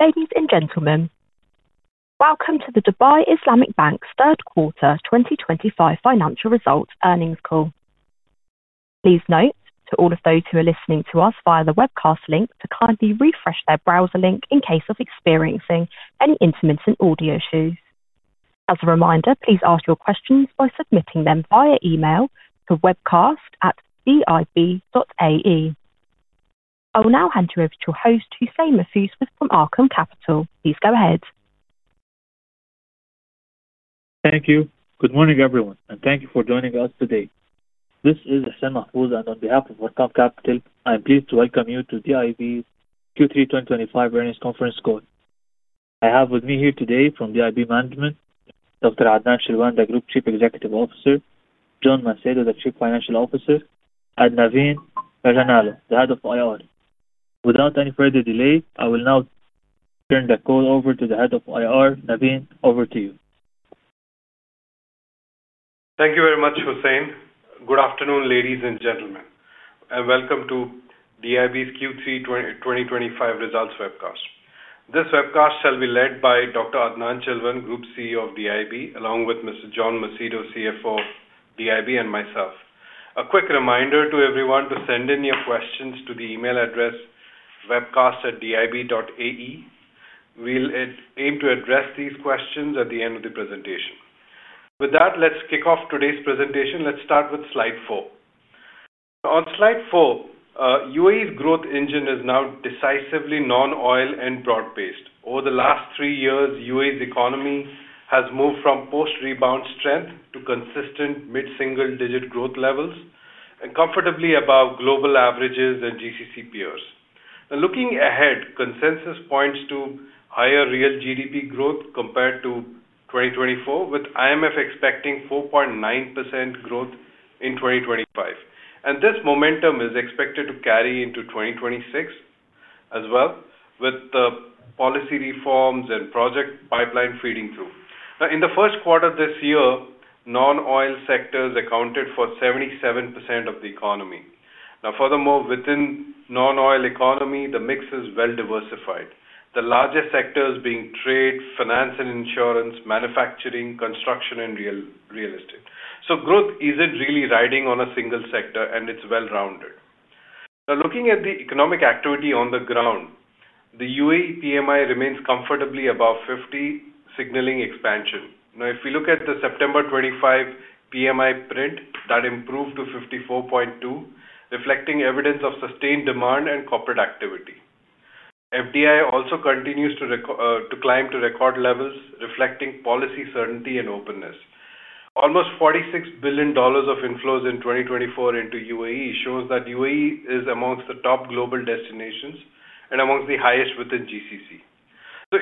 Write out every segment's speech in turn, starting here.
Ladies and gentlemen, welcome to the Dubai Islamic Bank PJSC's third quarter 2025 financial results earnings call. Please note to all of those who are listening to us via the webcast link to kindly refresh their browser link in case of experiencing any intermittent audio issues. As a reminder, please ask your questions by submitting them via email to webcast@dib.ae. I will now hand you over to your host, Hussein Mahfouzi, from Arqaam Capital Ltd. Please go ahead. Thank you. Good morning, everyone, and thank you for joining us today. This is Hussein Mahfouzi, and on behalf of Arqaam Capital Ltd, I am pleased to welcome you to Dubai Islamic Bank PJSC's Q3 2025 earnings conference call. I have with me here today from DIB Management, Dr. Adnan Chilwan, the Group Chief Executive Officer, John Macedo, the Chief Financial Officer, and Naveen Rajanala, the Head of Investor Relations. Without any further delay, I will now turn the call over to the Head of Investor Relations, Naveen. Over to you. Thank you very much, Hussein. Good afternoon, ladies and gentlemen, and welcome to DIB's Q3 2025 results webcast. This webcast shall be led by Dr. Adnan Chilwan, Group CEO of DIB, along with Mr. John Macedo, CFO of DIB, and myself. A quick reminder to everyone to send in your questions to the email address webcast@dib.ae. We'll aim to address these questions at the end of the presentation. With that, let's kick off today's presentation. Let's start with slide four. On slide four, UAE's growth engine is now decisively non-oil and broad-based. Over the last three years, UAE's economy has moved from post-rebound strength to consistent mid-single-digit growth levels and comfortably above global averages and GCC peers. Looking ahead, consensus points to higher real GDP growth compared to 2024, with IMF expecting 4.9% growth in 2025. This momentum is expected to carry into 2026 as well, with the policy reforms and project pipeline feeding through. In the first quarter of this year, non-oil sectors accounted for 77% of the economy. Furthermore, within the non-oil economy, the mix is well-diversified, the largest sectors being trade, finance and insurance, manufacturing, construction, and real estate. Growth isn't really riding on a single sector, and it's well-rounded. Looking at the economic activity on the ground, the UAE PMI remains comfortably above 50, signaling expansion. If you look at the September 25th PMI print, that improved to 54.2, reflecting evidence of sustained demand and corporate activity. FDI also continues to climb to record levels, reflecting policy certainty and openness. Almost AED 46 billion of inflows in 2024 into UAE shows that UAE is amongst the top global destinations and amongst the highest within GCC.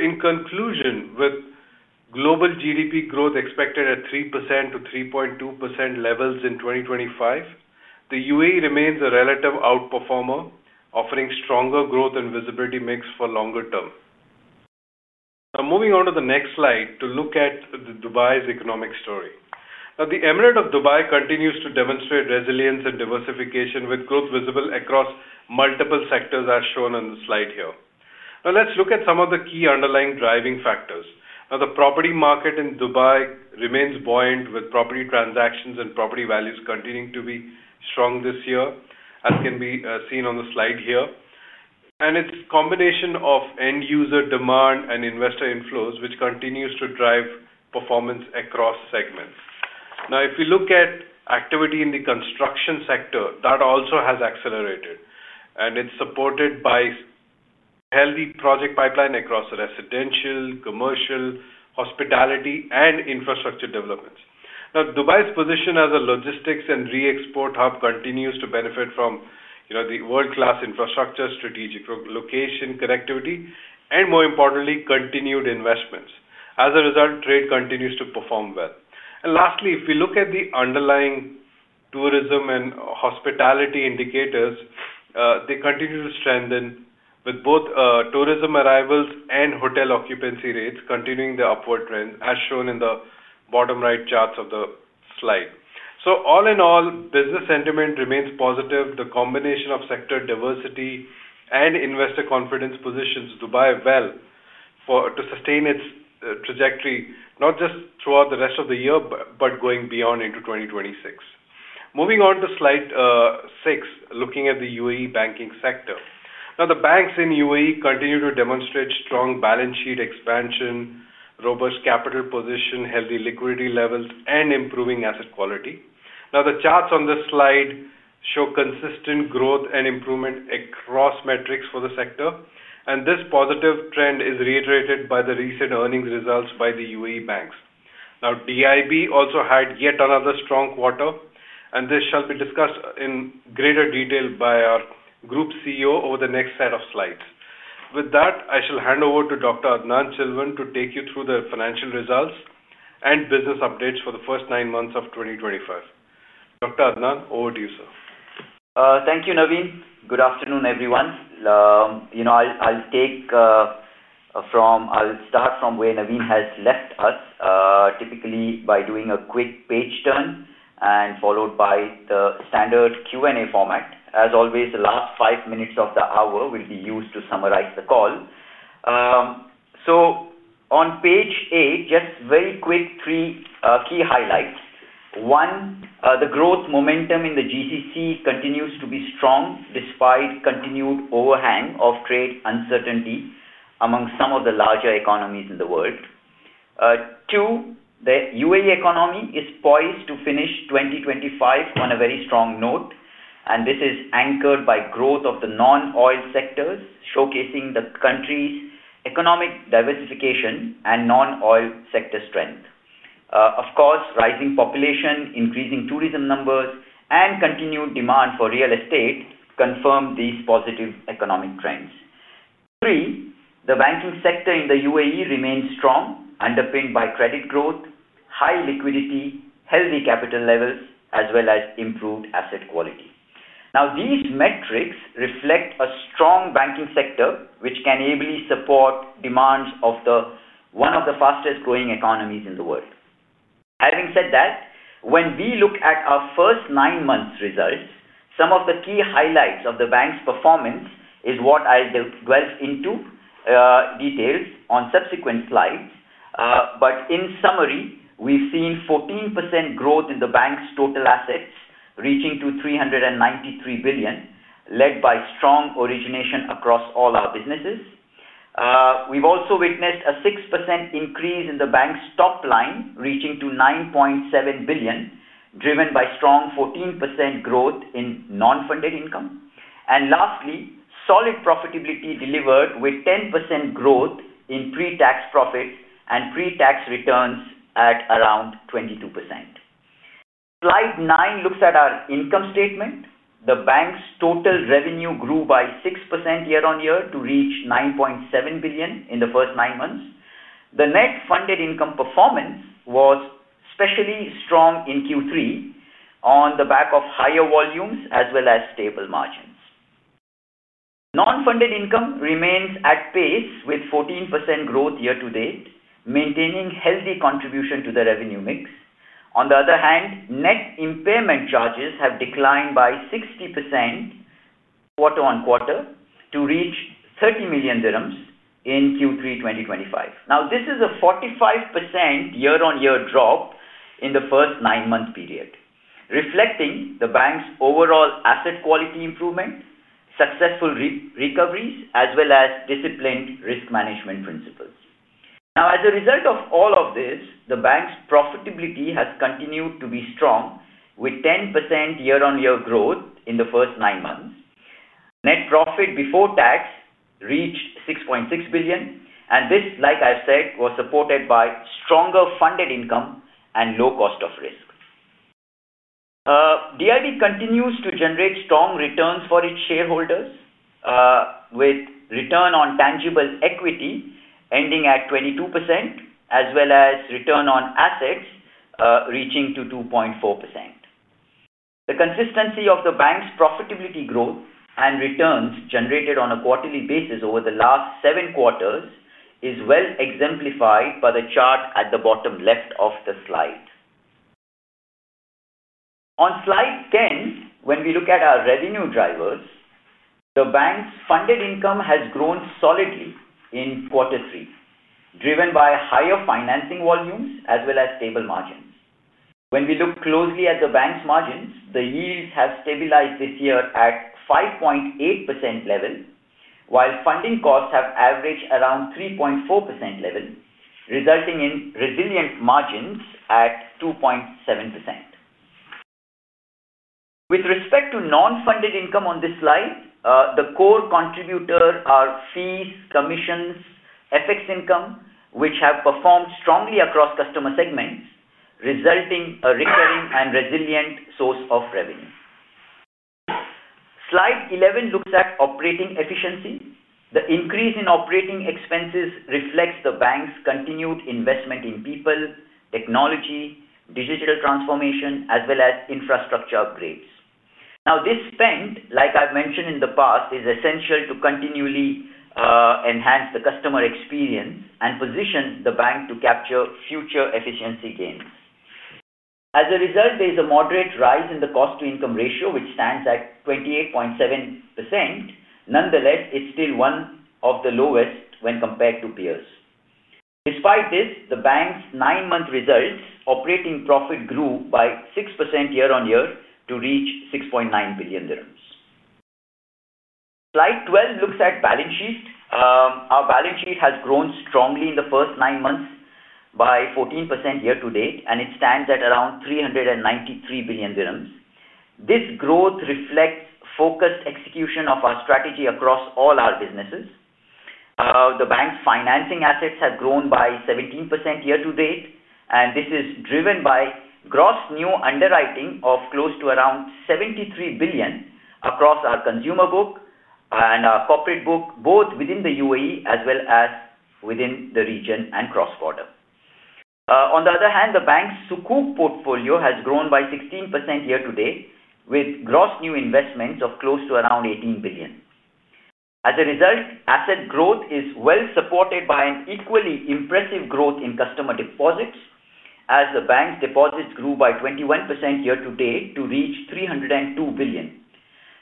In conclusion, with global GDP growth expected at 3%-3.2% levels in 2025, the UAE remains a relative outperformer, offering stronger growth and visibility mix for longer term. Moving on to the next slide to look at Dubai's economic story. The Emirate of Dubai continues to demonstrate resilience and diversification, with growth visible across multiple sectors, as shown on the slide here. Let's look at some of the key underlying driving factors. The property market in Dubai remains buoyant, with property transactions and property values continuing to be strong this year, as can be seen on the slide here. It's a combination of end-user demand and investor inflows, which continues to drive performance across segments. If we look at activity in the construction sector, that also has accelerated, and it's supported by a healthy project pipeline across residential, commercial, hospitality, and infrastructure developments. Dubai's position as a logistics and re-export hub continues to benefit from the world-class infrastructure, strategic location, connectivity, and more importantly, continued investments. As a result, trade continues to perform well. If we look at the underlying tourism and hospitality indicators, they continue to strengthen with both tourism arrivals and hotel occupancy rates continuing the upward trend, as shown in the bottom right charts of the slide. All in all, business sentiment remains positive. The combination of sector diversity and investor confidence positions Dubai well to sustain its trajectory, not just throughout the rest of the year, but going beyond into 2026. Moving on to slide six, looking at the UAE banking sector. The banks in UAE continue to demonstrate strong balance sheet expansion, robust capital position, healthy liquidity levels, and improving asset quality. The charts on this slide show consistent growth and improvement across metrics for the sector, and this positive trend is reiterated by the recent earnings results by the UAE banks. DIB also had yet another strong quarter, and this shall be discussed in greater detail by our Group CEO over the next set of slides. With that, I shall hand over to Dr. Adnan Chilwan to take you through the financial results and business updates for the first nine months of 2025. Dr. Adnan, over to you, sir. Thank you, Naveen. Good afternoon, everyone. I'll start from where Naveen has left us, typically by doing a quick page turn and followed by the standard Q&A format. As always, the last five minutes of the hour will be used to summarize the call. On page eight, just very quick three key highlights. One, the growth momentum in the GCC continues to be strong despite continued overhang of trade uncertainty among some of the larger economies in the world. Two, the UAE economy is poised to finish 2025 on a very strong note, and this is anchored by growth of the non-oil sectors, showcasing the country's economic diversification and non-oil sector strength. Of course, rising population, increasing tourism numbers, and continued demand for real estate confirm these positive economic trends. Three, the banking sector in the UAE remains strong, underpinned by credit growth, high liquidity, healthy capital levels, as well as improved asset quality. These metrics reflect a strong banking sector which can ably support demands of one of the fastest growing economies in the world. Having said that, when we look at our first nine months' results, some of the key highlights of the bank's performance are what I will delve into details on subsequent slides. In summary, we've seen 14% growth in the bank's total assets, reaching 393 billion, led by strong origination across all our businesses. We've also witnessed a 6% increase in the bank's top line, reaching 9.7 billion, driven by strong 14% growth in non-funded income. Lastly, solid profitability delivered with 10% growth in pre-tax profits and pre-tax returns at around 22%. Slide nine looks at our income statement. The bank's total revenue grew by 6% year on year to reach 9.7 billion in the first nine months. The net funded income performance was especially strong in Q3 on the back of higher volumes as well as stable margins. Non-funded income remains at pace with 14% growth year to date, maintaining a healthy contribution to the revenue mix. On the other hand, net impairment charges have declined by 60% quarter on quarter to reach 30 million dirhams in Q3 2025. This is a 45% year-on-year drop in the first nine-month period, reflecting the bank's overall asset quality improvement, successful recoveries, as well as disciplined risk management principles. Now, as a result of all of this, the bank's profitability has continued to be strong, with 10% year-on-year growth in the first nine months. Net profit before tax reached 6.6 billion, and this, like I've said, was supported by stronger funded income and low cost of risk. Dubai Islamic Bank PJSC continues to generate strong returns for its shareholders, with return on tangible equity ending at 22%, as well as return on assets reaching 2.4%. The consistency of the bank's profitability growth and returns generated on a quarterly basis over the last seven quarters is well exemplified by the chart at the bottom left of the slide. On slide ten, when we look at our revenue drivers, the bank's funded income has grown solidly in quarter three, driven by higher financing volumes as well as stable margins. When we look closely at the bank's margins, the yields have stabilized this year at a 5.8% level, while funding costs have averaged around a 3.4% level, resulting in resilient margins at 2.7%. With respect to non-funded income on this slide, the core contributors are fees, commissions, and FX income, which have performed strongly across customer segments, resulting in a recurring and resilient source of revenue. Slide 11 looks at operating efficiency. The increase in operating expenses reflects the bank's continued investment in people, technology, digital transformation, as well as infrastructure upgrades. This spend, like I've mentioned in the past, is essential to continually enhance the customer experience and position the bank to capture future efficiency gains. As a result, there is a moderate rise in the cost-to-income ratio, which stands at 28.7%. Nonetheless, it's still one of the lowest when compared to peers. Despite this, the bank's nine-month results operating profit grew by 6% year on year to reach 6.9 billion dirhams. Slide 12 looks at balance sheets. Our balance sheet has grown strongly in the first nine months by 14% year to date, and it stands at around 393 billion dirhams. This growth reflects focused execution of our strategy across all our businesses. The bank's financing assets have grown by 17% year to date, and this is driven by gross new underwriting of close to around 73 billion across our consumer book and our corporate book, both within the UAE as well as within the region and cross-border. On the other hand, the bank's sukuk portfolio has grown by 16% year to date, with gross new investments of close to around 18 billion. As a result, asset growth is well supported by an equally impressive growth in customer deposits, as the bank's deposits grew by 21% year to date to reach 302 billion.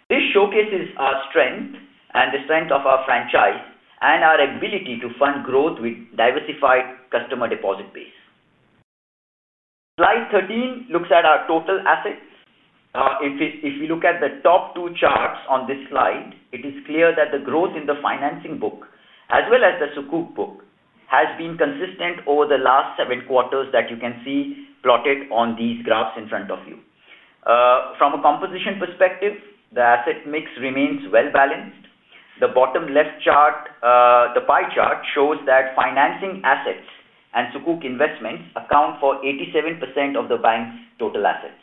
This showcases our strength and the strength of our franchise and our ability to fund growth with a diversified customer deposit base. Slide 13 looks at our total assets. If we look at the top two charts on this slide, it is clear that the growth in the financing book, as well as the sukuk book, has been consistent over the last seven quarters that you can see plotted on these graphs in front of you. From a composition perspective, the asset mix remains well balanced. The bottom left chart, the pie chart, shows that financing assets and sukuk investments account for 87% of the bank's total assets.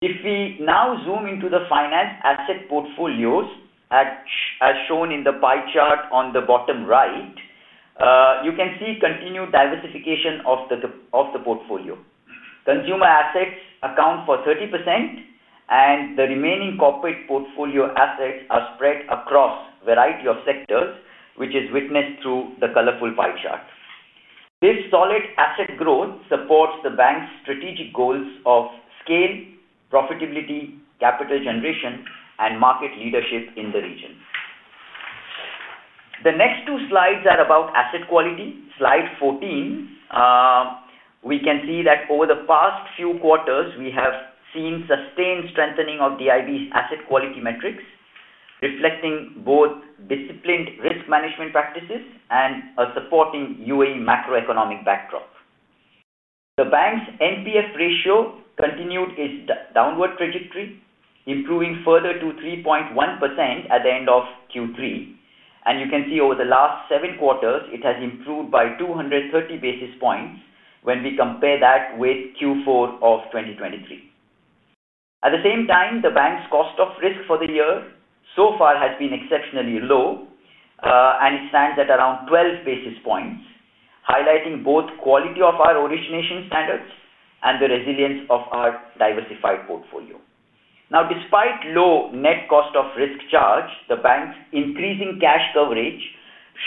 If we now zoom into the finance asset portfolios, as shown in the pie chart on the bottom right, you can see continued diversification of the portfolio. Consumer assets account for 30%, and the remaining corporate portfolio assets are spread across a variety of sectors, which is witnessed through the colorful pie chart. This solid asset growth supports the bank's strategic goals of scale, profitability, capital generation, and market leadership in the region. The next two slides are about asset quality. Slide 14, we can see that over the past few quarters, we have seen sustained strengthening of DIB's asset quality metrics, reflecting both disciplined risk management practices and a supporting UAE macroeconomic backdrop. The bank's non-performing financing ratio continued its downward trajectory, improving further to 3.1% at the end of Q3. You can see over the last seven quarters, it has improved by 230 basis points when we compare that with Q4 of 2023. At the same time, the bank's cost of risk for the year so far has been exceptionally low, and it stands at around 12 basis points, highlighting both the quality of our origination standards and the resilience of our diversified portfolio. Despite low net cost of risk charge, the bank's increasing cash coverage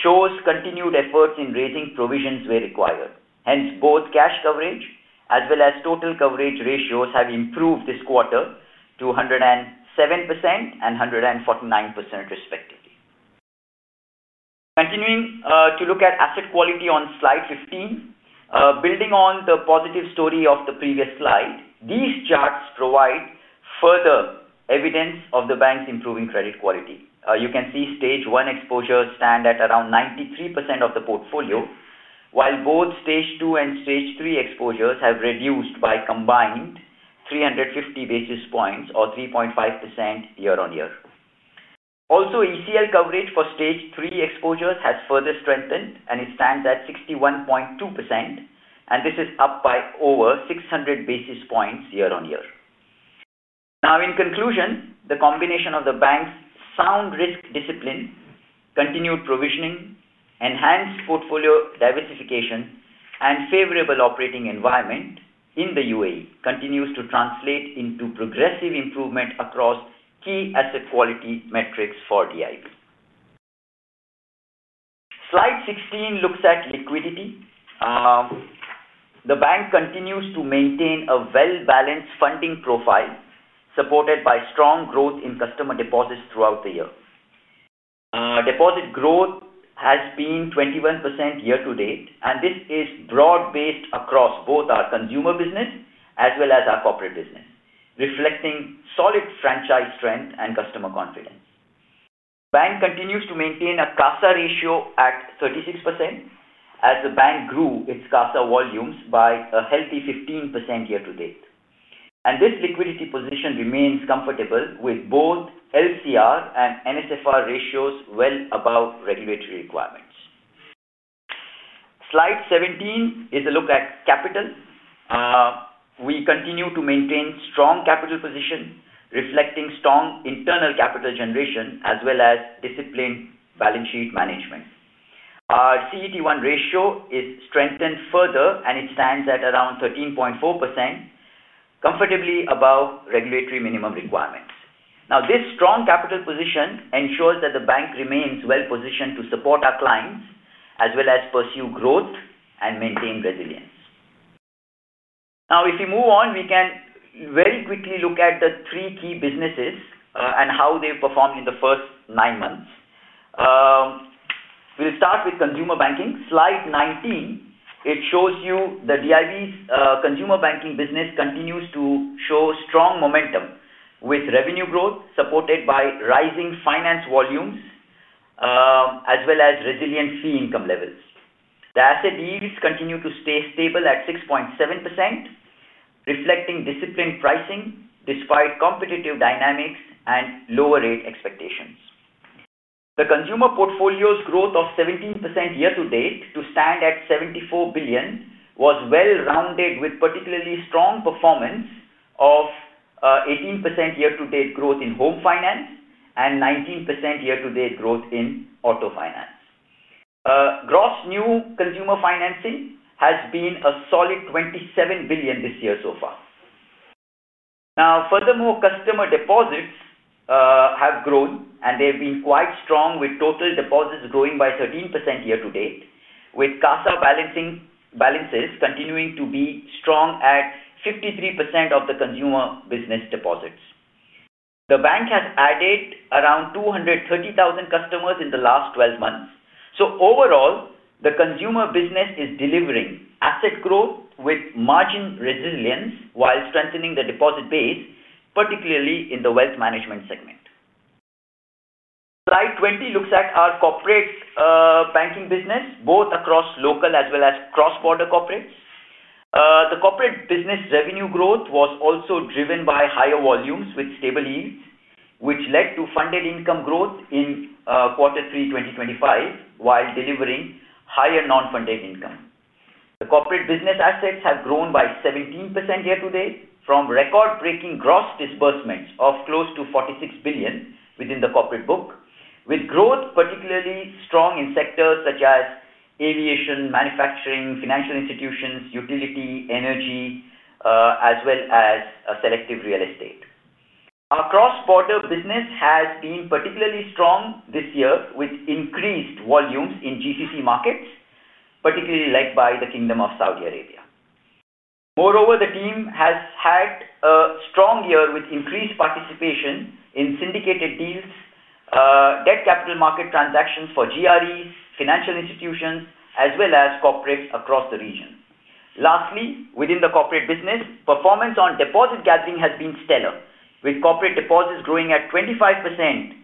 shows continued efforts in raising provisions where required. Hence, both cash coverage as well as total coverage ratios have improved this quarter to 107% and 149%, respectively. Continuing to look at asset quality on slide 15, building on the positive story of the previous slide, these charts provide further evidence of the bank's improving credit quality. You can see stage one exposure stands at around 93% of the portfolio, while both stage two and stage three exposures have reduced by a combined 350 basis points, or 3.5% year on year. Also, ECL coverage for stage three exposures has further strengthened, and it stands at 61.2%, and this is up by over 600 basis points year on year. In conclusion, the combination of the bank's sound risk discipline, continued provisioning, enhanced portfolio diversification, and a favorable operating environment in the UAE continues to translate into progressive improvement across key asset quality metrics for DIB. Slide 16 looks at liquidity. The bank continues to maintain a well-balanced funding profile supported by strong growth in customer deposits throughout the year. Deposit growth has been 21% year to date, and this is broad-based across both our consumer business as well as our corporate business, reflecting solid franchise strength and customer confidence. The bank continues to maintain a CASA ratio at 36%, as the bank grew its CASA volumes by a healthy 15% year to date. This liquidity position remains comfortable with both LCR and NSFR ratios well above regulatory requirements. Slide 17 is a look at capital. We continue to maintain a strong capital position, reflecting strong internal capital generation as well as disciplined balance sheet management. Our CET1 ratio is strengthened further, and it stands at around 13.4%, comfortably above regulatory minimum requirements. This strong capital position ensures that the bank remains well-positioned to support our clients as well as pursue growth and maintain resilience. If we move on, we can very quickly look at the three key businesses and how they performed in the first nine months. We'll start with consumer banking. Slide 19 shows you the DIB's consumer banking business continues to show strong momentum with revenue growth supported by rising finance volumes as well as resilient fee income levels. The asset yields continue to stay stable at 6.7%, reflecting disciplined pricing despite competitive dynamics and lower rate expectations. The consumer portfolio's growth of 17% year to date to stand at 74 billion was well-rounded, with particularly strong performance of 18% year-to-date growth in home finance and 19% year-to-date growth in auto finance. Gross new consumer financing has been a solid 27 billion this year so far. Now, furthermore, customer deposits have grown, and they have been quite strong, with total deposits growing by 13% year to date, with CASA balances continuing to be strong at 53% of the consumer business deposits. The bank has added around 230,000 customers in the last 12 months. Overall, the consumer business is delivering asset growth with margin resilience while strengthening the deposit base, particularly in the wealth management segment. Slide 20 looks at our corporate banking business, both across local as well as cross-border corporates. The corporate business revenue growth was also driven by higher volumes with stable yields, which led to funded income growth in quarter three 2025 while delivering higher non-funded income. The corporate business assets have grown by 17% year to date from record-breaking gross disbursements of close to 46 billion within the corporate book, with growth particularly strong in sectors such as aviation, manufacturing, financial institutions, utility, energy, as well as selective real estate. Our cross-border business has been particularly strong this year with increased volumes in GCC markets, particularly led by the Kingdom of Saudi Arabia. Moreover, the team has had a strong year with increased participation in syndicated deals, debt capital market transactions for GREs, financial institutions, as well as corporates across the region. Lastly, within the corporate business, performance on deposit gathering has been stellar, with corporate deposits growing at 25%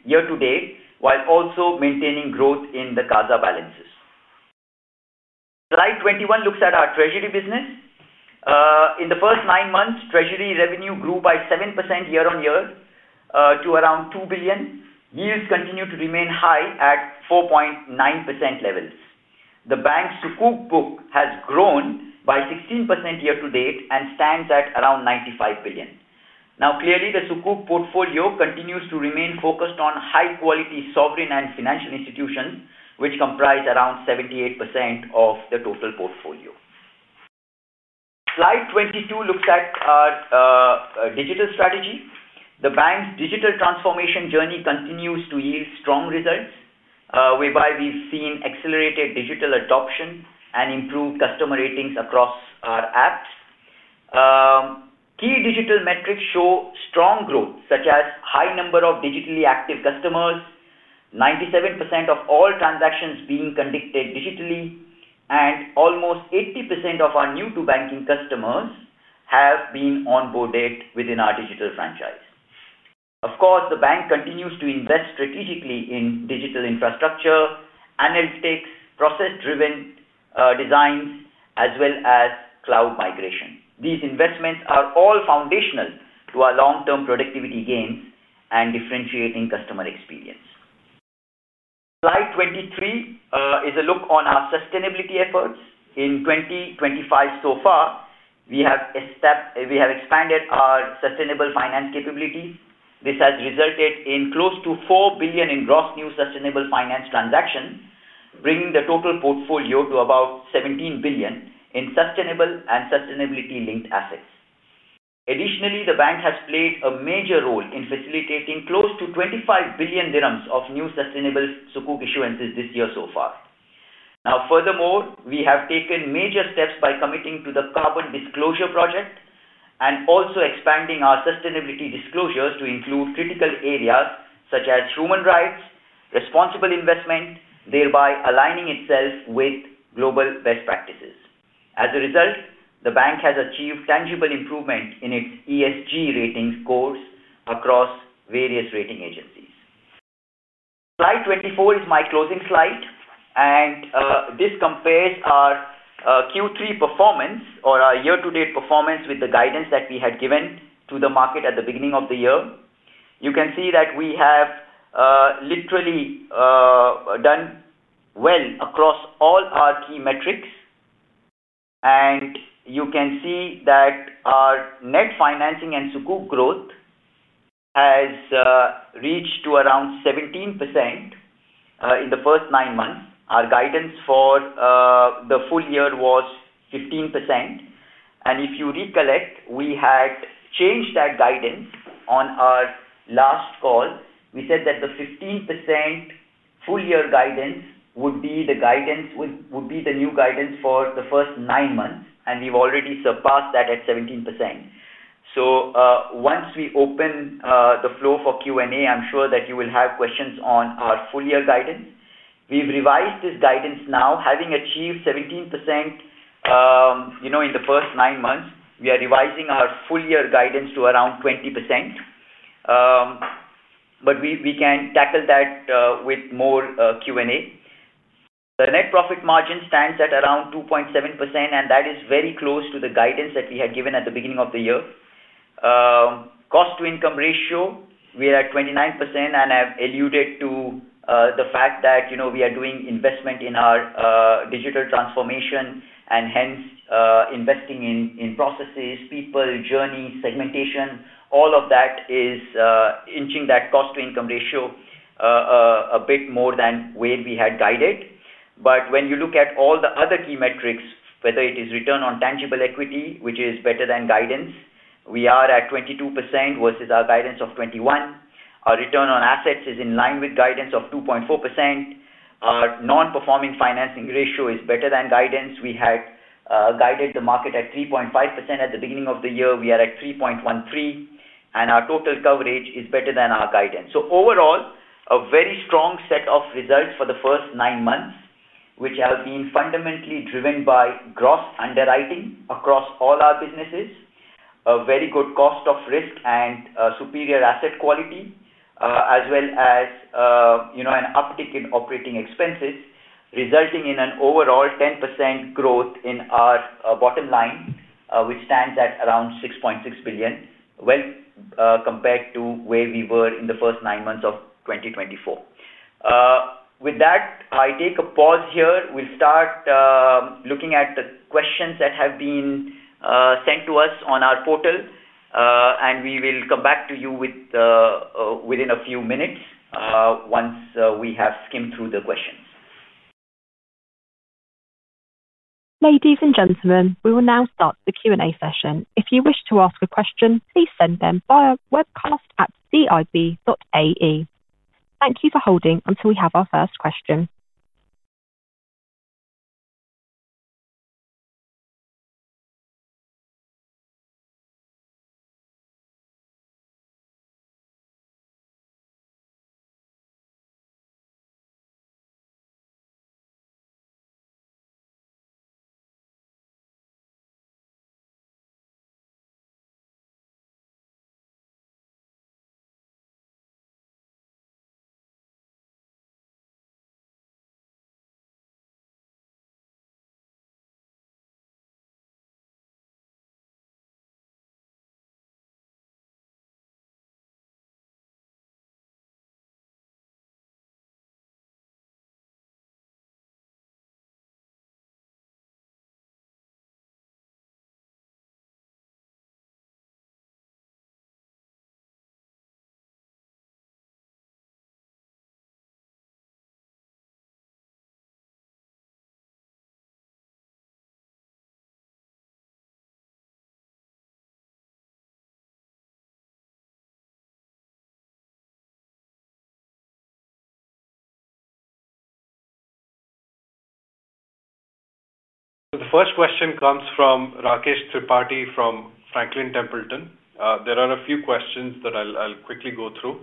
year to date while also maintaining growth in the CASA balances. Slide 21 looks at our treasury business. In the first nine months, treasury revenue grew by 7% year on year to around 2 billion. Yields continue to remain high at 4.9% levels. The bank's sukuk book has grown by 16% year to date and stands at around 95 billion. Clearly, the sukuk portfolio continues to remain focused on high-quality sovereign and financial institutions, which comprise around 78% of the total portfolio. Slide 22 looks at our digital strategy. The bank's digital transformation journey continues to yield strong results, whereby we've seen accelerated digital adoption and improved customer ratings across our apps. Key digital metrics show strong growth, such as a high number of digitally active customers, 97% of all transactions being conducted digitally, and almost 80% of our new-to-banking customers have been onboarded within our digital franchise. Of course, the bank continues to invest strategically in digital infrastructure, analytics, process-driven designs, as well as cloud migration. These investments are all foundational to our long-term productivity gains and differentiating customer experience. Slide 23 is a look on our sustainability efforts. In 2025 so far, we have expanded our sustainable finance capability. This has resulted in close to 4 billion in gross new sustainable finance transactions, bringing the total portfolio to about 17 billion in sustainable and sustainability-linked assets. Additionally, the bank has played a major role in facilitating close to 25 billion dirhams of new sustainable sukuk issuances this year so far. Furthermore, we have taken major steps by committing to the carbon disclosure project and also expanding our sustainability disclosures to include critical areas such as human rights, responsible investment, thereby aligning itself with global best practices. As a result, the bank has achieved tangible improvement in its ESG rating scores across various rating agencies. Slide 24 is my closing slide, and this compares our Q3 performance or our year-to-date performance with the guidance that we had given to the market at the beginning of the year. You can see that we have literally done well across all our key metrics, and you can see that our net financing and sukuk growth has reached around 17% in the first nine months. Our guidance for the full year was 15%, and if you recollect, we had changed that guidance on our last call. We said that the 15% full-year guidance would be the new guidance for the first nine months, and we've already surpassed that at 17%. Once we open the floor for Q&A, I'm sure that you will have questions on our full-year guidance. We've revised this guidance now, having achieved 17% in the first nine months. We are revising our full-year guidance to around 20%, but we can tackle that with more Q&A. The net profit margin stands at around 2.7%, and that is very close to the guidance that we had given at the beginning of the year. Cost-to-income ratio, we are at 29%, and I've alluded to the fact that we are doing investment in our digital transformation, and hence investing in processes, people, journey, segmentation, all of that is inching that cost-to-income ratio a bit more than where we had guided. When you look at all the other key metrics, whether it is return on tangible equity, which is better than guidance, we are at 22% versus our guidance of 21%. Our return on assets is in line with guidance of 2.4%. Our non-performing financing ratio is better than guidance. We had guided the market at 3.5% at the beginning of the year. We are at 3.13%, and our total coverage is better than our guidance. Overall, a very strong set of results for the first nine months, which have been fundamentally driven by gross underwriting across all our businesses, a very good cost of risk, and superior asset quality, as well as an uptick in operating expenses, resulting in an overall 10% growth in our bottom line, which stands at around 6.6 billion, well compared to where we were in the first nine months of 2024. With that, I take a pause here. We'll start looking at the questions that have been sent to us on our portal, and we will come back to you within a few minutes once we have skimmed through the questions. Ladies and gentlemen, we will now start the Q&A session. If you wish to ask a question, please send them via webcast@dib.ae. Thank you for holding until we have our first question. The first question comes from Rakesh Tripati from Franklin Templeton. There are a few questions that I'll quickly go through.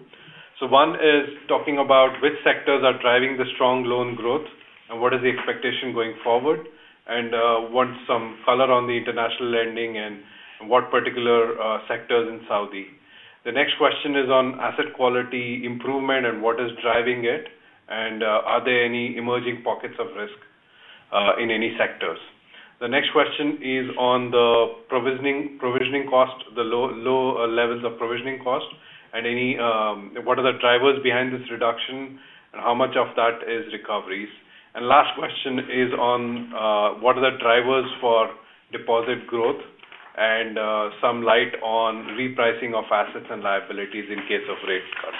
One is talking about which sectors are driving the strong loan growth and what is the expectation going forward, and want some color on the international lending and what particular sectors in Saudi. The next question is on asset quality improvement and what is driving it, and are there any emerging pockets of risk in any sectors? The next question is on the provisioning cost, the low levels of provisioning cost, and what are the drivers behind this reduction and how much of that is recoveries? The last question is on what are the drivers for deposit growth and some light on repricing of assets and liabilities in case of rate cuts.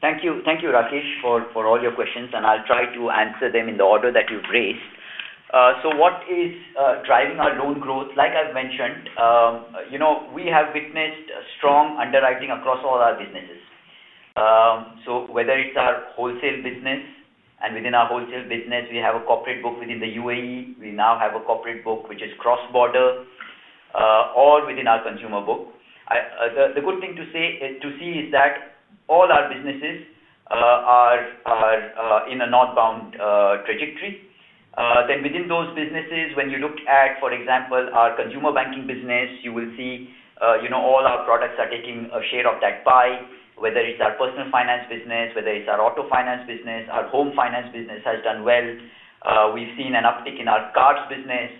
Thank you, Rakesh, for all your questions, and I'll try to answer them in the order that you've raised. What is driving our loan growth? Like I've mentioned, we have witnessed strong underwriting across all our businesses. Whether it's our wholesale business, and within our wholesale business, we have a corporate book within the UAE, we now have a corporate book which is cross-border, or within our consumer book. The good thing to see is that all our businesses are in a northbound trajectory. Within those businesses, when you look at, for example, our consumer banking business, you will see all our products are taking a share of that pie, whether it's our personal finance business or our auto finance business. Our home finance business has done well. We've seen an uptick in our cards business.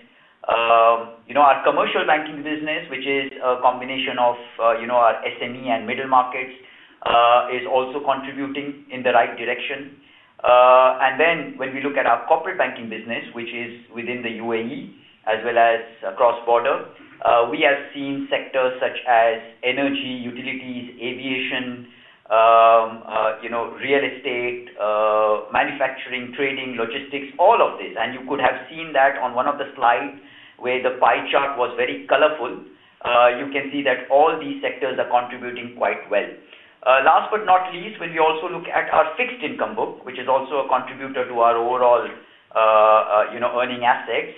Our commercial banking business, which is a combination of our SME and middle markets, is also contributing in the right direction. When we look at our corporate banking business, which is within the UAE as well as cross-border, we have seen sectors such as energy, utilities, aviation, real estate, manufacturing, trading, logistics, all of this. You could have seen that on one of the slides where the pie chart was very colorful. You can see that all these sectors are contributing quite well. Last but not least, when we also look at our fixed income book, which is also a contributor to our overall earning assets,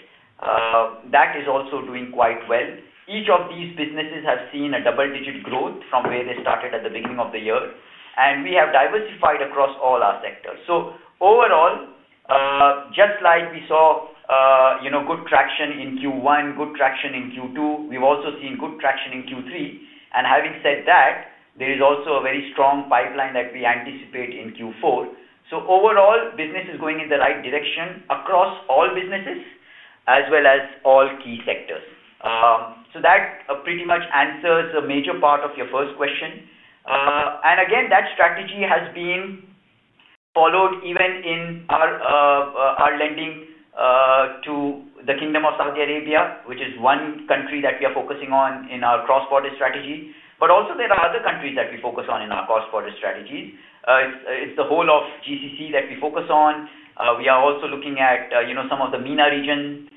that is also doing quite well. Each of these businesses has seen a double-digit growth from where they started at the beginning of the year, and we have diversified across all our sectors. Overall, just like we saw good traction in Q1, good traction in Q2, we've also seen good traction in Q3. Having said that, there is also a very strong pipeline that we anticipate in Q4. Overall, business is going in the right direction across all businesses as well as all key sectors. That pretty much answers a major part of your first question. That strategy has been followed even in our lending to the Kingdom of Saudi Arabia, which is one country that we are focusing on in our cross-border strategy. There are other countries that we focus on in our cross-border strategies. It's the whole of GCC that we focus on. We are also looking at some of the MENA region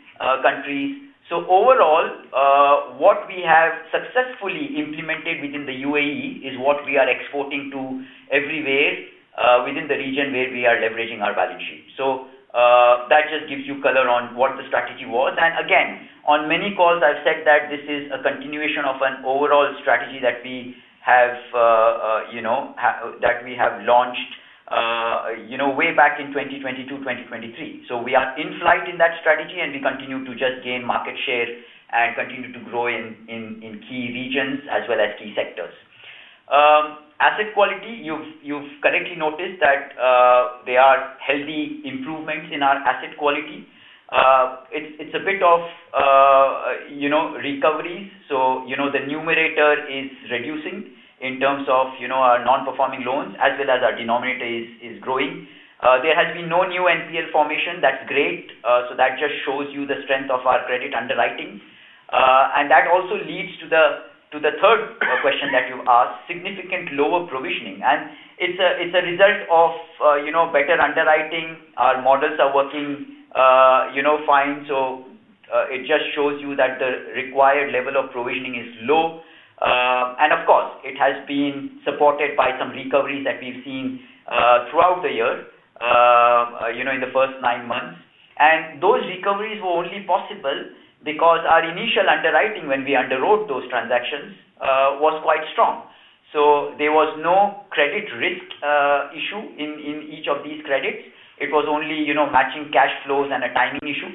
countries. Overall, what we have successfully implemented within the UAE is what we are exporting to everywhere within the region where we are leveraging our balance sheet. That just gives you color on what the strategy was. Again, on many calls, I've said that this is a continuation of an overall strategy that we have launched way back in 2022, 2023. We are in flight in that strategy, and we continue to just gain market share and continue to grow in key regions as well as key sectors. Asset quality, you've correctly noticed that there are healthy improvements in our asset quality. It's a bit of recoveries. The numerator is reducing in terms of our non-performing loans, as well as our denominator is growing. There has been no new NPL formation. That's great. That just shows you the strength of our credit underwriting. That also leads to the third question that you've asked, significant lower provisioning. It's a result of better underwriting. Our models are working fine. It just shows you that the required level of provisioning is low. Of course, it has been supported by some recoveries that we've seen throughout the year in the first nine months. Those recoveries were only possible because our initial underwriting when we underwrote those transactions was quite strong. There was no credit risk issue in each of these credits. It was only matching cash flows and a timing issue,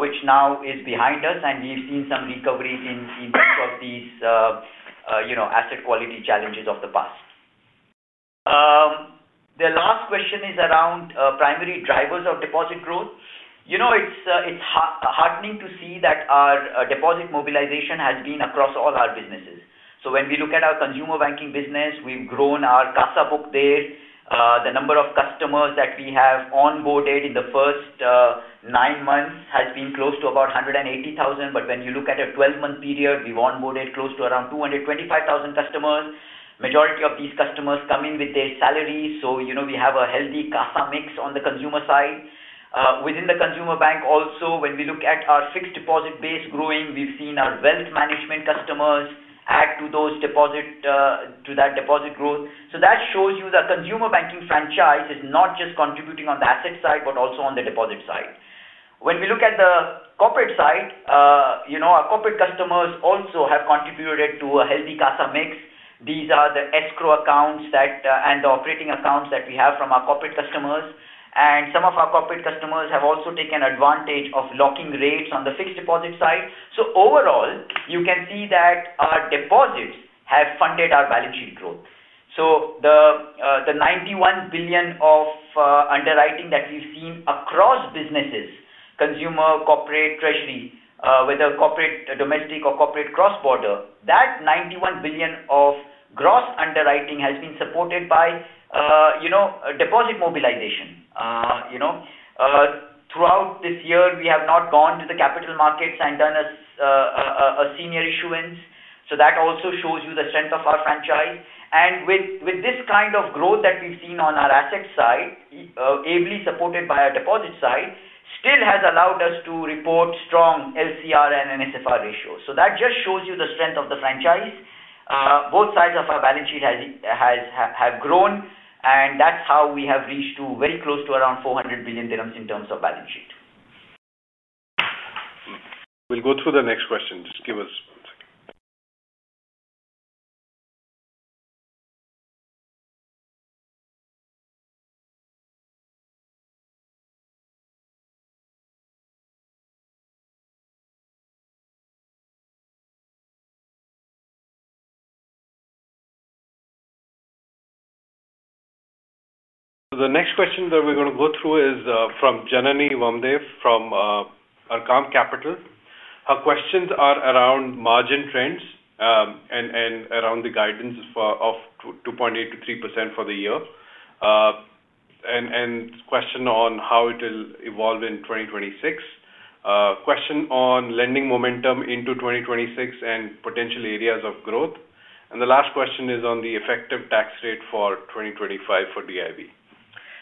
which now is behind us. We've seen some recoveries in each of these asset quality challenges of the past. The last question is around primary drivers of deposit growth. It's heartening to see that our deposit mobilization has been across all our businesses. When we look at our consumer banking business, we've grown our CASA book there. The number of customers that we have onboarded in the first nine months has been close to about 180,000. When you look at a 12-month period, we've onboarded close to around 225,000 customers. The majority of these customers come in with their salaries. We have a healthy CASA mix on the consumer side. Within the consumer bank, also, when we look at our fixed deposit base growing, we've seen our wealth management customers add to that deposit growth. That shows you that consumer banking franchise is not just contributing on the asset side, but also on the deposit side. When we look at the corporate side, our corporate customers also have contributed to a healthy CASA mix. These are the escrow accounts and the operating accounts that we have from our corporate customers. Some of our corporate customers have also taken advantage of locking rates on the fixed deposit side. Overall, you can see that our deposits have funded our balance sheet growth. The 91 billion of underwriting that we've seen across businesses, consumer, corporate, treasury, whether corporate domestic or corporate cross-border, that 91 billion of gross underwriting has been supported by deposit mobilization. Throughout this year, we have not gone to the capital markets and done a senior issuance. That also shows you the strength of our franchise. With this kind of growth that we've seen on our asset side, heavily supported by our deposit side, it still has allowed us to report strong LCR and NSFR ratios. That just shows you the strength of the franchise. Both sides of our balance sheet have grown, and that's how we have reached very close to around 400 billion dirhams in terms of balance sheet. We'll go through the next question. Just give us a second. The next question that we're going to go through is from Janany Vamadeva from Arqaam Capital Ltd. Her questions are around margin trends and around the guidance of 2.8%-3% for the year, a question on how it will evolve in 2026, a question on lending momentum into 2026, and potential areas of growth. The last question is on the effective tax rate for 2025 for Dubai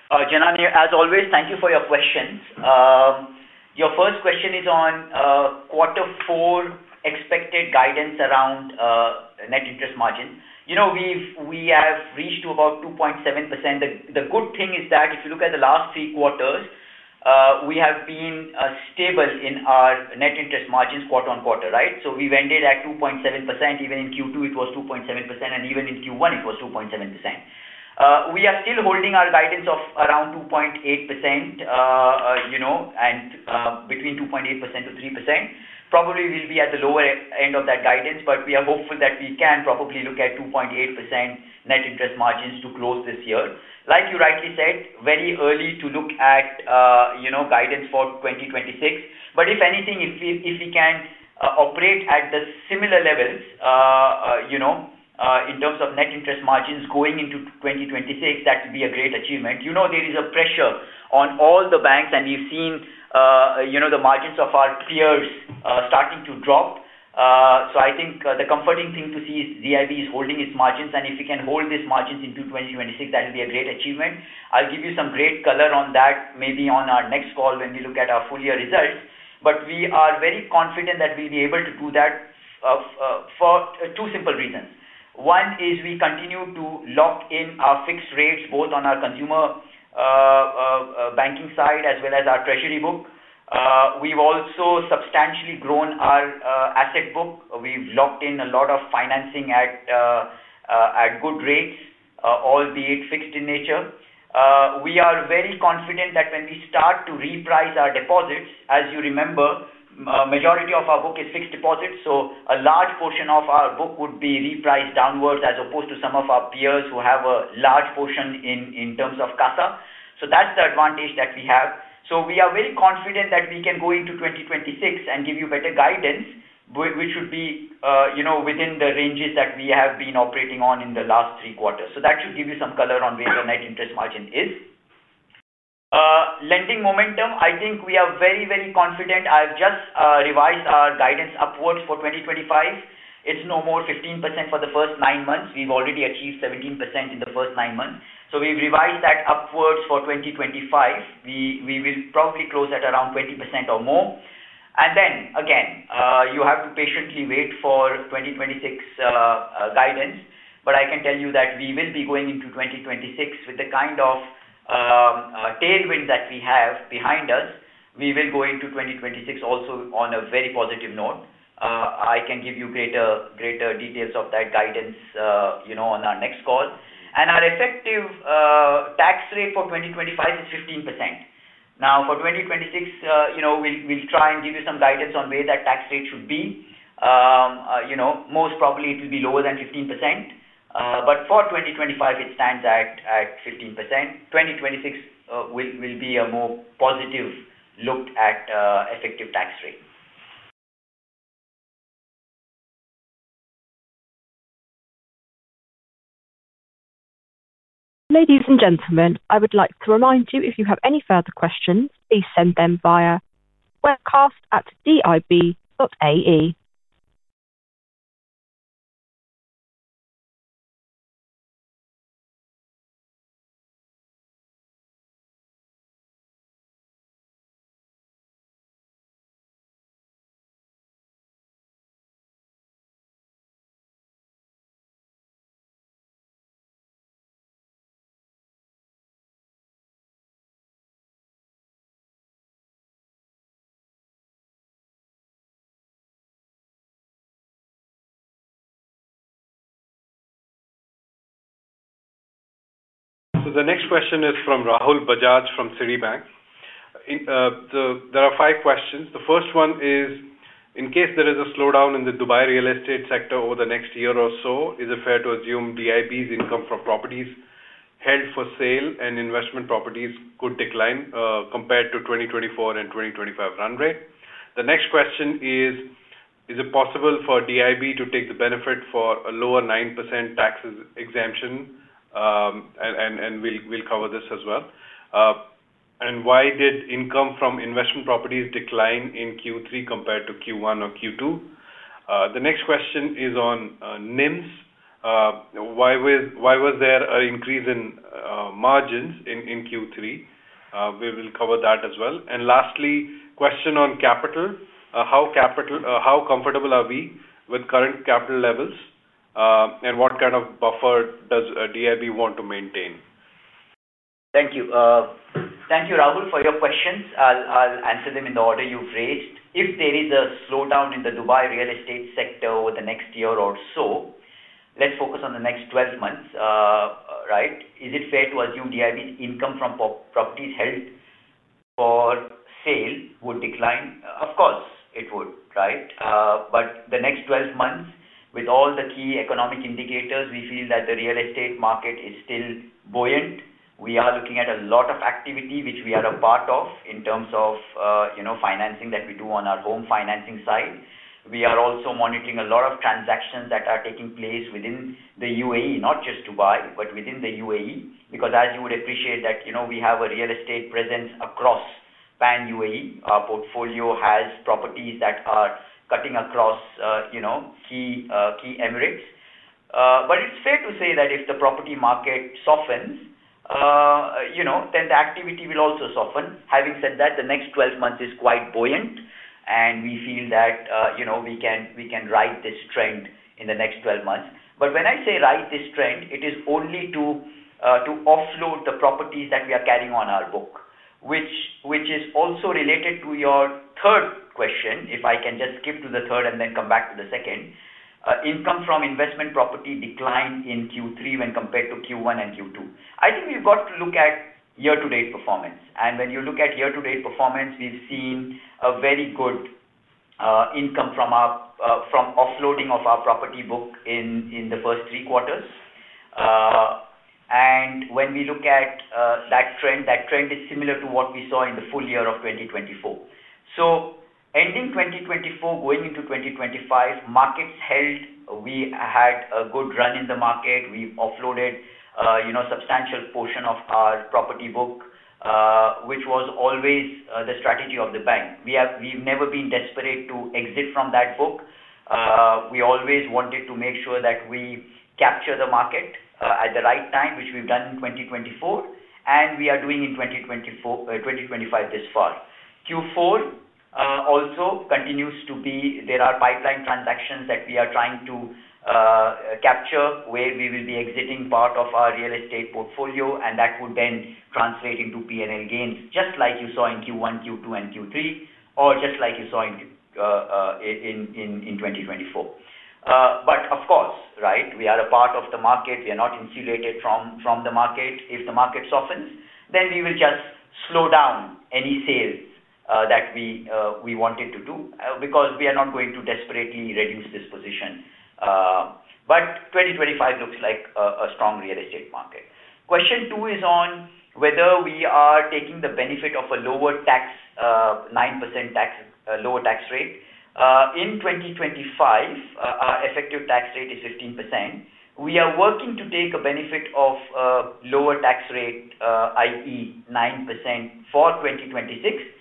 Islamic Bank PJSC. Janany, as always, thank you for your questions. Your first question is on quarter four expected guidance around net interest margins. You know, we have reached about 2.7%. The good thing is that if you look at the last three quarters, we have been stable in our net interest margins quarter on quarter, right? We have ended at 2.7%. Even in Q2, it was 2.7%, and even in Q1, it was 2.7%. We are still holding our guidance of around 2.8%, you know, and between 2.8% to 3%. Probably, we'll be at the lower end of that guidance, but we are hopeful that we can probably look at 2.8% net interest margins to close this year. Like you rightly said, very early to look at guidance for 2026. If anything, if we can operate at the similar levels, you know, in terms of net interest margins going into 2026, that will be a great achievement. There is a pressure on all the banks, and we've seen the margins of our peers starting to drop. I think the comforting thing to see is DIB is holding its margins, and if it can hold its margins into 2026, that will be a great achievement. I'll give you some great color on that, maybe on our next call when we look at our full-year results. We are very confident that we'll be able to do that for two simple reasons. One is we continue to lock in our fixed rates, both on our consumer banking side as well as our treasury book. We've also substantially grown our asset book. We've locked in a lot of financing at good rates, albeit fixed in nature. We are very confident that when we start to reprice our deposits, as you remember, the majority of our book is fixed deposits, so a large portion of our book would be repriced downwards as opposed to some of our peers who have a large portion in terms of CASA. That's the advantage that we have. We are very confident that we can go into 2026 and give you better guidance, which would be within the ranges that we have been operating on in the last three quarters. That should give you some color on where your net interest margin is. Lending momentum, I think we are very, very confident. I've just revised our guidance upwards for 2025. It's no more 15% for the first nine months. We've already achieved 17% in the first nine months. We've revised that upwards for 2025. We will probably close at around 20% or more. You have to patiently wait for 2026 guidance, but I can tell you that we will be going into 2026 with the kind of tailwind that we have behind us. We will go into 2026 also on a very positive note. I can give you greater details of that guidance on our next call. Our effective tax rate for 2025 is 15%. For 2026, we'll try and give you some guidance on where that tax rate should be. Most probably, it will be lower than 15%, but for 2025, it stands at 15%. 2026 will be a more positive look at the effective tax rate. Ladies and gentlemen, I would like to remind you if you have any further questions, please send them via webcast@dib.ae. The next question is from Rahul Bajaj from Citibank. There are five questions. The first one is, in case there is a slowdown in the Dubai real estate sector over the next year or so, is it fair to assume DIB's income from properties held for sale and investment properties could decline compared to 2024 and 2025 run rate? The next question is, is it possible for DIB to take the benefit for a lower 9% taxes exemption? We'll cover this as well. Why did income from investment properties decline in Q3 compared to Q1 or Q2? The next question is on NIMS. Why was there an increase in margins in Q3? We will cover that as well. Lastly, a question on capital. How comfortable are we with current capital levels, and what kind of buffer does DIB want to maintain? Thank you. Thank you, Rahul, for your questions. I'll answer them in the order you've raised. If there is a slowdown in the Dubai real estate sector over the next year or so, let's focus on the next 12 months, right? Is it fair to assume DIB's income from properties held for sale would decline? Of course, it would, right? The next 12 months, with all the key economic indicators, we feel that the real estate market is still buoyant. We are looking at a lot of activity, which we are a part of in terms of financing that we do on our home finance side. We are also monitoring a lot of transactions that are taking place within the UAE, not just Dubai, but within the UAE, because as you would appreciate that we have a real estate presence across pan-UAE. Our portfolio has properties that are cutting across key emirates. It's fair to say that if the property market softens, then the activity will also soften. Having said that, the next 12 months are quite buoyant, and we feel that we can ride this trend in the next 12 months. When I say ride this trend, it is only to offload the properties that we are carrying on our book, which is also related to your third question. If I can just skip to the third and then come back to the second, income from investment property declined in Q3 when compared to Q1 and Q2. I think we've got to look at year-to-date performance. When you look at year-to-date performance, we've seen a very good income from offloading of our property book in the first three quarters. When we look at that trend, that trend is similar to what we saw in the full year of 2024. Ending 2024, going into 2025, markets held, we had a good run in the market. We've offloaded a substantial portion of our property book, which was always the strategy of the bank. We've never been desperate to exit from that book. We always wanted to make sure that we capture the market at the right time, which we've done in 2024, and we are doing in 2025 this far. Q4 also continues to be, there are pipeline transactions that we are trying to capture where we will be exiting part of our real estate portfolio, and that would then translate into P&L gains, just like you saw in Q1, Q2, and Q3, or just like you saw in 2024. Of course, right, we are a part of the market. We are not insulated from the market. If the market softens, then we will just slow down any sales that we wanted to do because we are not going to desperately reduce this position. 2025 looks like a strong real estate market. Question two is on whether we are taking the benefit of a lower tax, a 9% lower tax rate. In 2025, our effective tax rate is 15%. We are working to take a benefit of a lower tax rate, i.e., 9% for 2026.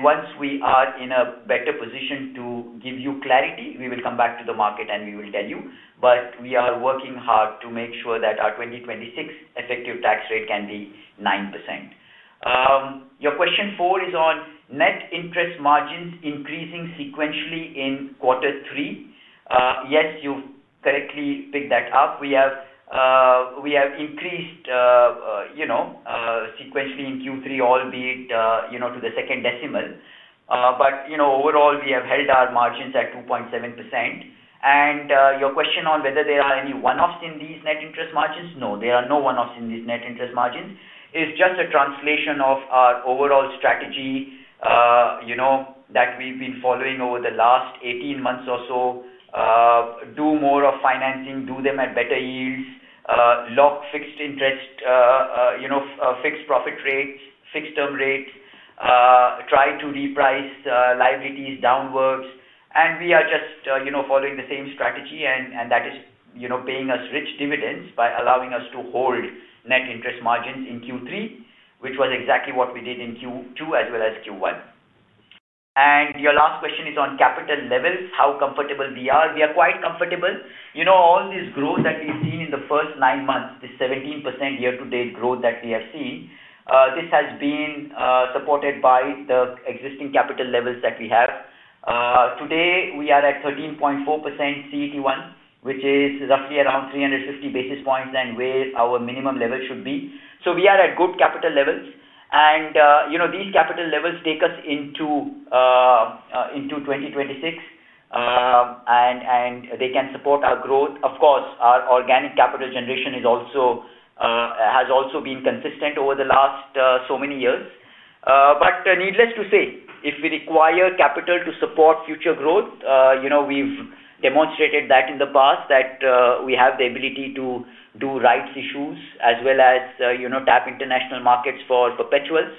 Once we are in a better position to give you clarity, we will come back to the market and we will tell you. We are working hard to make sure that our 2026 effective tax rate can be 9%. Your question four is on net interest margins increasing sequentially in quarter three. Yes, you've correctly picked that up. We have increased sequentially in Q3, albeit to the second decimal. Overall, we have held our margins at 2.7%. Your question on whether there are any one-offs in these net interest margins, no, there are no one-offs in these net interest margins. It's just a translation of our overall strategy that we've been following over the last 18 months or so. Do more of financing, do them at better yields, lock fixed interest, fixed profit rates, fixed term rates, try to reprice liabilities downwards. We are just following the same strategy, and that is paying us rich dividends by allowing us to hold net interest margins in Q3, which was exactly what we did in Q2 as well as Q1. Your last question is on capital levels, how comfortable we are. We are quite comfortable. All this growth that we've seen in the first nine months, this 17% year-to-date growth that we have seen, this has been supported by the existing capital levels that we have. Today, we are at 13.4% CET1, which is roughly around 350 basis points and where our minimum level should be. We are at good capital levels. These capital levels take us into 2026, and they can support our growth. Of course, our organic capital generation has also been consistent over the last so many years. Needless to say, if we require capital to support future growth, we've demonstrated that in the past, that we have the ability to do rights issues as well as tap international markets for perpetuals.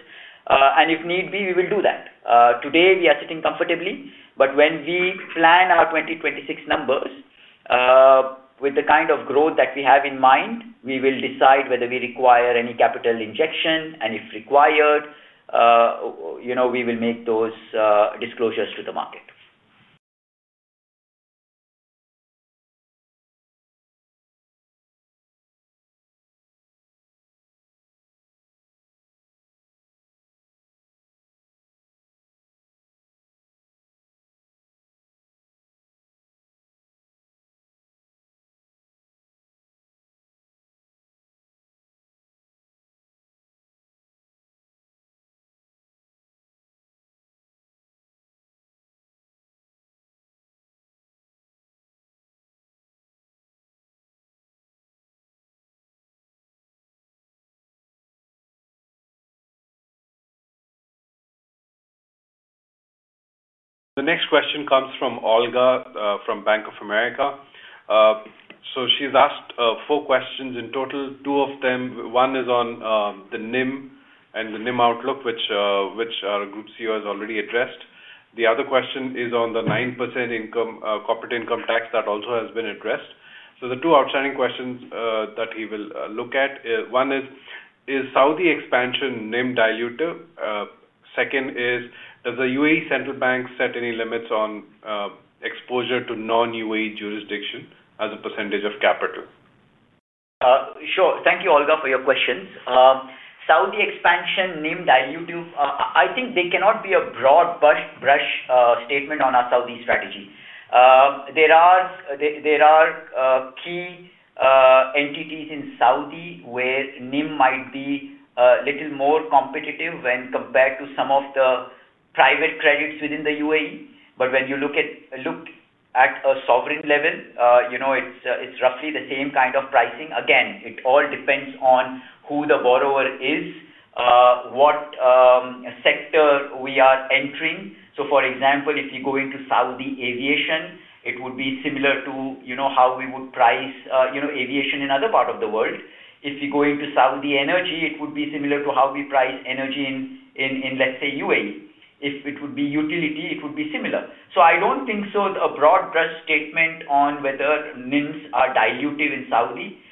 If need be, we will do that. Today, we are sitting comfortably, but when we plan our 2026 numbers with the kind of growth that we have in mind, we will decide whether we require any capital injection, and if required, we will make those disclosures to the market. The next question comes from Olga from Bank of America. She's asked four questions in total. Two of them, one is on the NIM and the NIM outlook, which our Group CEO has already addressed. The other question is on the 9% corporate income tax that also has been addressed. The two outstanding questions that he will look at, one is, is Saudi expansion NIM diluted? Second is, does the UAE Central Bank set any limits on exposure to non-UAE jurisdiction as a percentage of capital? Sure. Thank you, Olga, for your questions. Saudi expansion NIM diluted, I think there cannot be a broad brush statement on our Saudi strategy. There are key entities in Saudi where NIM might be a little more competitive when compared to some of the private credits within the UAE. When you look at a sovereign level, it's roughly the same kind of pricing. It all depends on who the borrower is, what sector we are entering. For example, if you go into Saudi aviation, it would be similar to how we would price aviation in another part of the world. If you go into Saudi energy, it would be similar to how we price energy in, let's say, UAE. If it would be utility, it would be similar. I don't think a broad brush statement on whether NIMs are diluted in Saudi applies.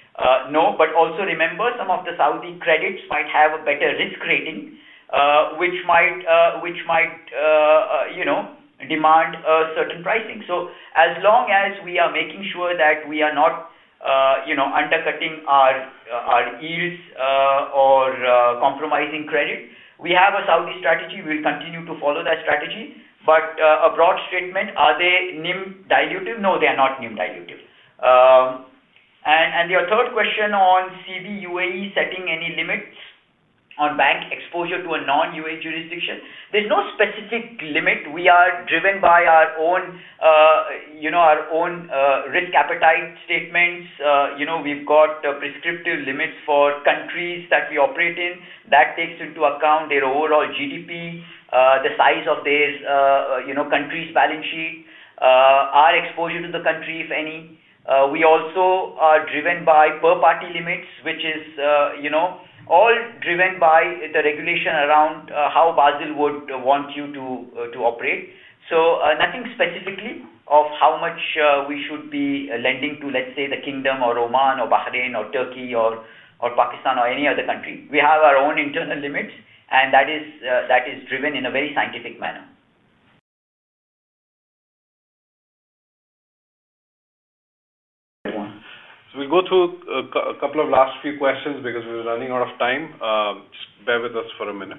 No, they are not NIM diluted. Also remember some of the Saudi credits might have a better risk rating, which might demand a certain pricing. As long as we are making sure that we are not undercutting our yields or compromising credit, we have a Saudi strategy. We'll continue to follow that strategy. A broad statement, are they NIM diluted? No, they are not NIM diluted. Your third question on CB UAE setting any limits on bank exposure to a non-UAE jurisdiction, there's no specific limit. We are driven by our own risk appetite statements. We've got prescriptive limits for countries that we operate in. That takes into account their overall GDP, the size of their country's balance sheet, our exposure to the country, if any. We also are driven by per-party limits, which is all driven by the regulation around how Basel would want you to operate. Nothing specifically of how much we should be lending to, let's say, the Kingdom or Oman or Bahrain or Turkey or Pakistan or any other country. We have our own internal limits, and that is driven in a very scientific manner. We'll go through a couple of last few questions because we're running out of time. Just bear with us for a minute.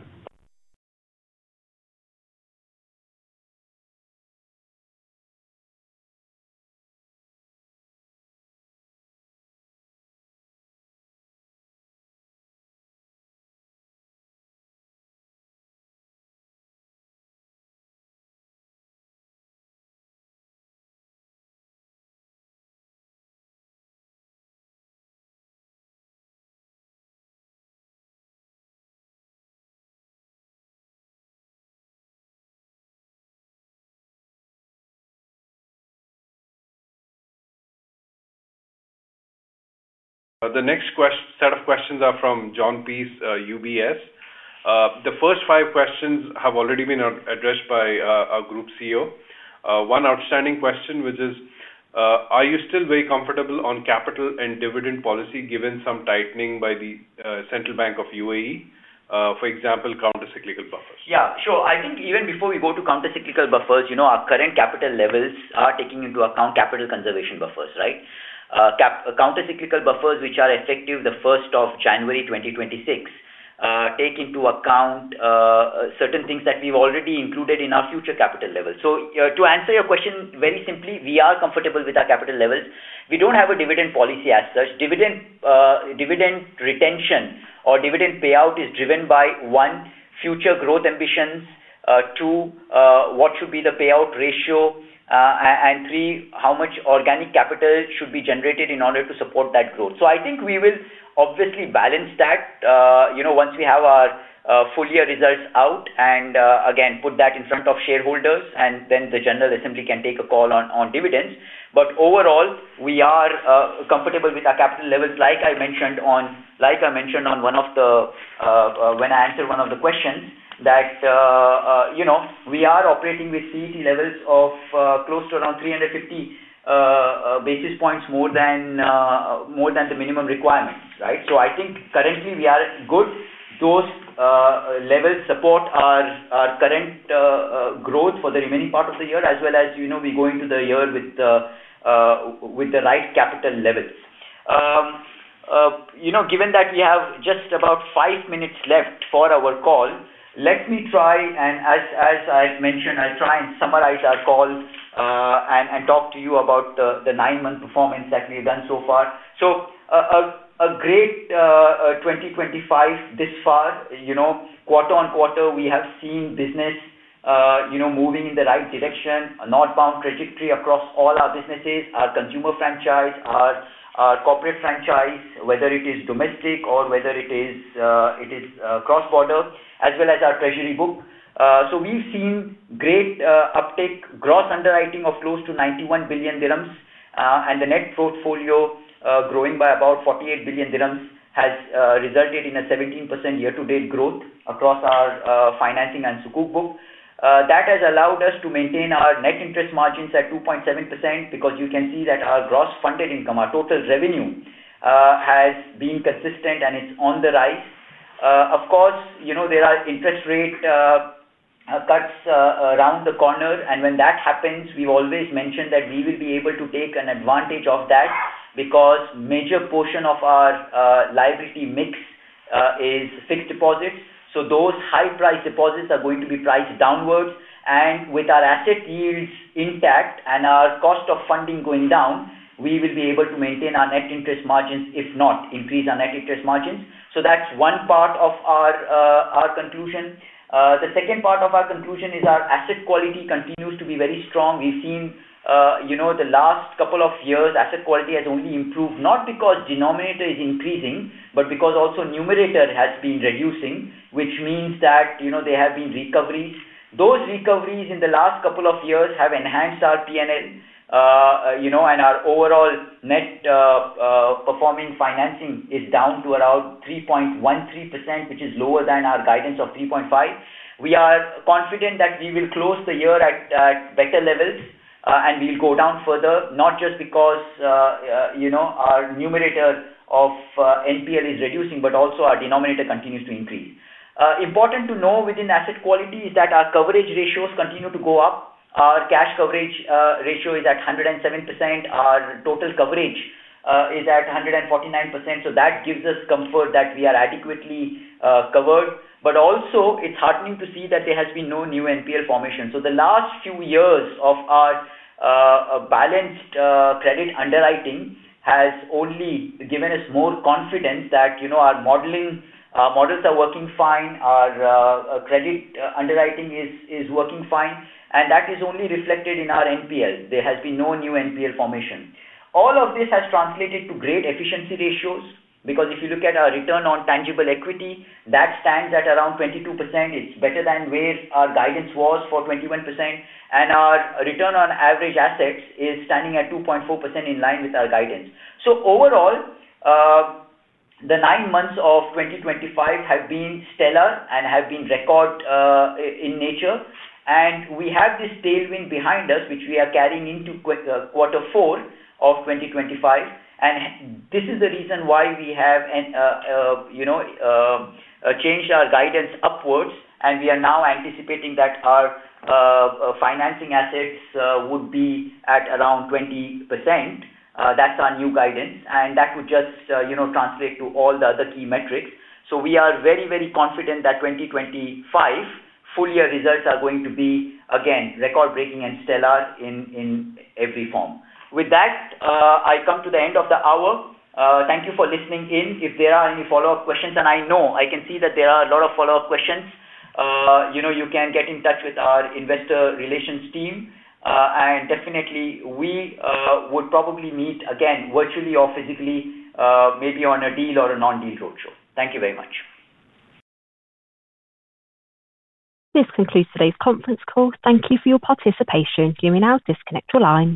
The next set of questions are from Jon Peace, UBS. The first five questions have already been addressed by our Group CEO. One outstanding question, which is, are you still very comfortable on capital and dividend policy given some tightening by the Central Bank of UAE? For example, countercyclical buffers. Yeah, sure. I think even before we go to countercyclical buffers, our current capital levels are taking into account capital conservation buffers, right? Countercyclical buffers, which are effective the 1st of January 2026, take into account certain things that we've already included in our future capital levels. To answer your question very simply, we are comfortable with our capital levels. We don't have a dividend policy as such. Dividend retention or dividend payout is driven by, one, future growth ambitions, two, what should be the payout ratio, and three, how much organic capital should be generated in order to support that growth. I think we will obviously balance that once we have our full-year results out and again put that in front of shareholders, and then the General Assembly can take a call on dividends. Overall, we are comfortable with our capital levels, like I mentioned on one of the... When I answered one of the questions that we are operating with CET levels of close to around 350 basis points, more than the minimum requirements, right? I think currently we are good. Those levels support our current growth for the remaining part of the year, as well as we go into the year with the right capital levels. Given that we have just about five minutes left for our call, let me try, and as I mentioned, I'll try and summarize our call and talk to you about the nine-month performance that we've done so far. A great 2025 this far. You know, quarter on quarter, we have seen business moving in the right direction, a northbound trajectory across all our businesses, our consumer franchise, our corporate franchise, whether it is domestic or whether it is cross-border, as well as our treasury book. We've seen great uptake, gross underwriting of close to 91 billion dirhams, and the net portfolio growing by about 48 billion dirhams has resulted in a 17% year-to-date growth across our financing and sukuk book. That has allowed us to maintain our net interest margins at 2.7% because you can see that our gross funded income, our total revenue, has been consistent and it's on the rise. Of course, there are interest rate cuts around the corner, and when that happens, we've always mentioned that we will be able to take an advantage of that because a major portion of our liability mix is fixed deposits. Those high-priced deposits are going to be priced downwards, and with our asset yields intact and our cost of funding going down, we will be able to maintain our net interest margins, if not increase our net interest margins. That's one part of our conclusion. The second part of our conclusion is our asset quality continues to be very strong. We've seen the last couple of years, asset quality has only improved, not because the denominator is increasing, but because also the numerator has been reducing, which means that there have been recoveries. Those recoveries in the last couple of years have enhanced our P&L, and our overall net performing financing is down to around 3.13%, which is lower than our guidance of 3.5%. We are confident that we will close the year at better levels, and we'll go down further, not just because our numerator of NPL is reducing, but also our denominator continues to increase. Important to know within asset quality is that our coverage ratios continue to go up. Our cash coverage ratio is at 107%. Our total coverage is at 149%. That gives us comfort that we are adequately covered. It's heartening to see that there has been no new NPL formation. The last few years of our balanced credit underwriting have only given us more confidence that our models are working fine, our credit underwriting is working fine, and that is only reflected in our NPL. There has been no new NPL formation. All of this has translated to great efficiency ratios because if you look at our return on tangible equity, that stands at around 22%. It's better than where our guidance was for 21%, and our return on average assets is standing at 2.4% in line with our guidance. Overall, the nine months of 2025 have been stellar and have been record in nature. We have this tailwind behind us, which we are carrying into quarter four of 2025. This is the reason why we have changed our guidance upwards, and we are now anticipating that our financing assets would be at around 20%. That's our new guidance, and that would just translate to all the other key metrics. We are very, very confident that 2025 full-year results are going to be, again, record-breaking and stellar in every form. With that, I come to the end of the hour. Thank you for listening in. If there are any follow-up questions, and I know I can see that there are a lot of follow-up questions, you can get in touch with our investor relations team. We would probably meet again virtually or physically, maybe on a deal or a non-deal roadshow. Thank you very much. This concludes today's conference call. Thank you for your participation. You may now disconnect your line.